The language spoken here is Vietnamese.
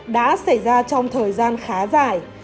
đã xảy ra trong thời gian khá dài